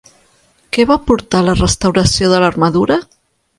Què va portar la restauració de l'armadura?